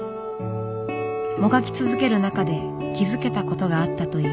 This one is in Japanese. もがき続ける中で気付けたことがあったという。